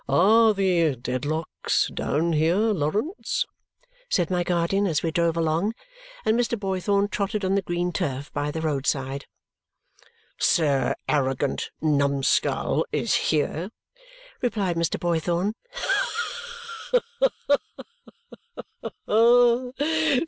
"Are the Dedlocks down here, Lawrence?" said my guardian as we drove along and Mr. Boythorn trotted on the green turf by the roadside. "Sir Arrogant Numskull is here," replied Mr. Boythorn.